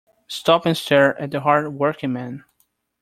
Stop and stare at the hard working man.